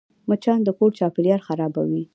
مچان د کور چاپېریال خرابوي